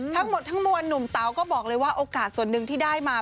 ทั้งหมดทั้งมวลหนุ่มเต๋าก็บอกเลยว่าโอกาสส่วนหนึ่งที่ได้มา